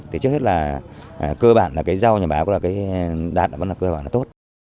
thế trước hết là cơ bản là rau nhà bà ấy đạt cơ bản tốt